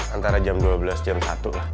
antara jam dua belas jam satu lah